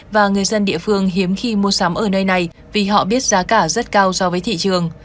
và người dân địa phương hiếm khi mua sắm ở nơi này vì họ biết giá cả rất cao so với thị trường